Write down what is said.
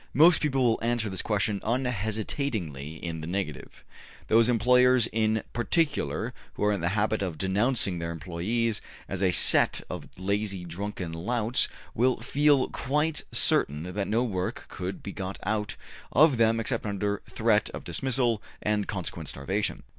Most people will answer this question unhesitatingly in the negative. Those employers in particular who are in the habit of denouncing their employes as a set of lazy, drunken louts, will feel quite certain that no work could be got out of them except under threat of dismissal and consequent starvation.